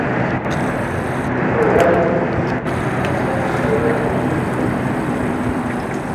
O'Leary, nació en Chicago, Illinois.